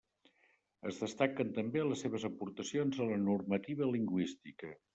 Es destaquen també les seves aportacions a la normativa lingüística.